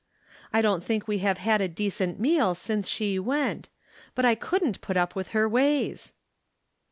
I don't think we have had a decent meal since she went. But I couldn't put up with her ways."